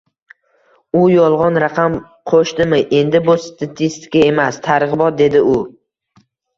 U yolg'on raqam qo'shdimi - endi bu statistika emas, targ'ibot, dedi u